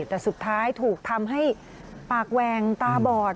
แต่สุดท้ายถูกทำให้ปากแหวงตาบอด